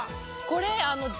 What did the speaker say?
これ。